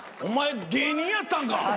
お前芸人やったんか。